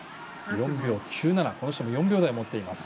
この人も４秒台を持っています。